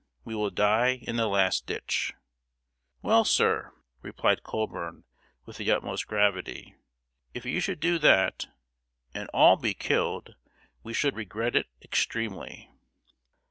We will die in the last ditch!" "Well, sir," replied Colburn, with the utmost gravity, "if you should do that and all be killed, we should regret it extremely!"